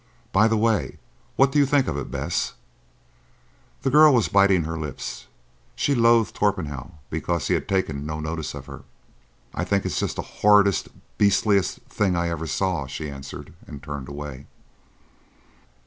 —By the way, what do you think of it, Bess?" The girl was biting her lips. She loathed Torpenhow because he had taken no notice of her. "I think it's just the horridest, beastliest thing I ever saw," she answered, and turned away.